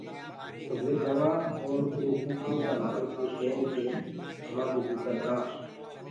تو وي گوآ اور اُرو ڪٚڪَرو ڪآ مآلکو ڪوُ ڪين همآ ڪوٚ ڪٚڪَر دآ۔